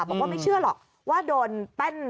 บอกว่าไม่เชื่อหรอกว่าโดนแป้น